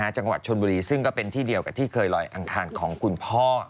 จังหวัดชนบุรีซึ่งก็เป็นที่เดียวกับที่เคยลอยอังคารของคุณพ่อ